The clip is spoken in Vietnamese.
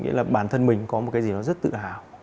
nghĩa là bản thân mình có một cái gì nó rất tự hào